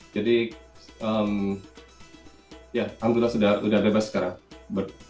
jadi alhamdulillah sudah bebas sekarang